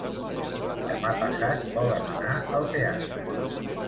Demà passat volen anar al teatre.